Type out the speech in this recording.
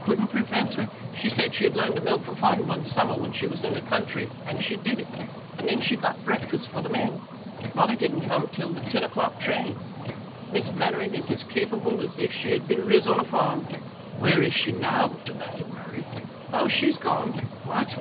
Couldn't prevent her. She said she had learned to milk for fun one summer when she was in the country, and she did it. And then she got breakfast for the men Mollie didn't come till the ten o'clock train. Miss Mannering is as capable as if she had been riz on a farm." "Where is she now?" demanded Murray. "Oh, she's gone." "What?"